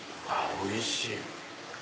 おいしい。